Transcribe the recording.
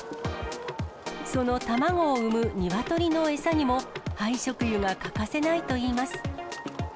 その卵を産むニワトリの餌にも、廃食油が欠かせないといいます。